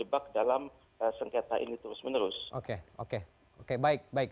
bagaimana kemudian ini akan berujung pak